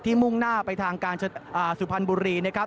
ที่มุ่งหน้าไปทางสุพรรณบุรี